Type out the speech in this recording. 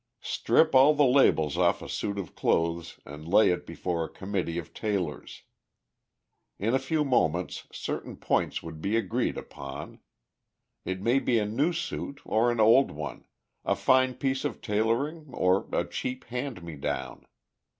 Strip all the labels off a suit of clothes and lay it before a committee of tailors. In a few moments certain points would be agreed upon. It may be a new suit, or an old one, a fine piece of tailoring, or a cheap hand me down.